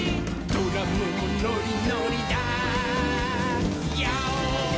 「ドラムもノリノリだヨー！」